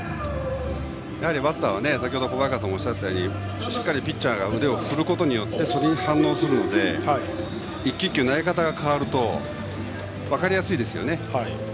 やはりバッターは先程、小早川さんもおっしゃったようにしっかりピッチャーが腕を振ることによってそれに反応するので１球１球投げ方が変わると分かりやすいですよね。